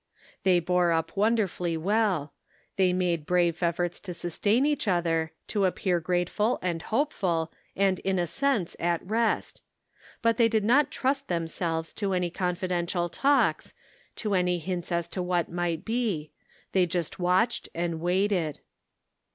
They bore up wonderfully well ; they made brave efforts to sustain each other, to appear grate 372 The Pocket Measure. ful, and hopeful, and in a sense at rest ; but they did not trust themselves to any confi dential talks, to any hints as to what might be ; they just watched and waited.